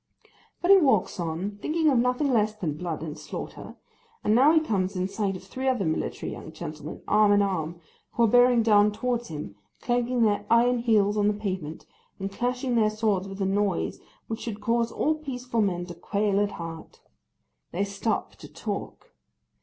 But he walks on, thinking of nothing less than blood and slaughter; and now he comes in sight of three other military young gentlemen, arm in arm, who are bearing down towards him, clanking their iron heels on the pavement, and clashing their swords with a noise, which should cause all peaceful men to quail at heart. They stop to talk.